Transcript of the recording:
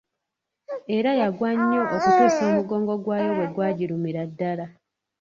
Era yagwa nnyo okutuusa omugongo gw'ayo bwe gwaggirumira ddala.